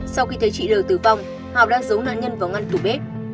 sau khi thấy chị l tử vong hào đã giấu nạn nhân vào ngăn tủ bếp